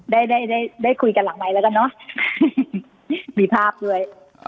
ได้ได้คุยกันหลังใหม่แล้วกันเนอะมีภาพด้วย